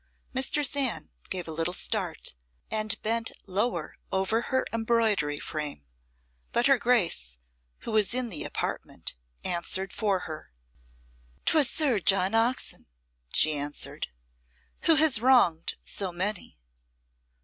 Mistress Anne gave a little start and bent lower over her embroidery frame, but her Grace, who was in the apartment, answered for her. "'Twas Sir John Oxon," she answered, "who has wronged so many."